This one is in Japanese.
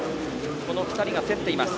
この２人が競っています。